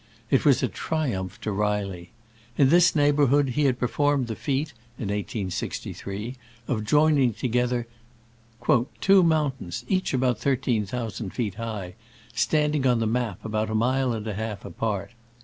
It was a triumph to Reilly. In this neighborhood he had performed the feat (in 1863) of joining together "two moun tains,, each about thirteen thousand feet high, standing on the map about a mile and a half apart."